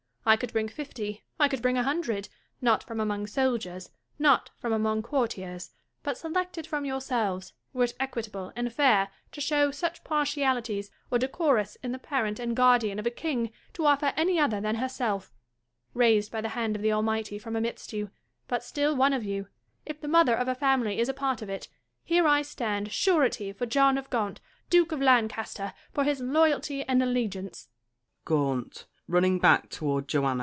I could bring fifty, I could bring a hundred, not from among soldiers, not from among courtiers ; but selected from yourselves, were it equitable and fair to show such partialities, or decorous in the parent and guardian of a king to offer any other than herself. Raised by the hand of the Almighty from amidst you, but still one of you, if the mother of a family is a part of it, here I stand surety for John of Gaunt, Duke of Lan caster, for his loyalty and allegiance.